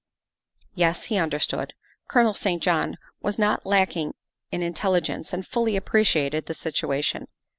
Yes, he understood. Colonel St. John was not lacking in intelligence and fully appreciated the situation.